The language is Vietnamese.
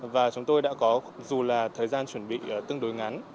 và chúng tôi đã có dù là thời gian chuẩn bị tương đối ngắn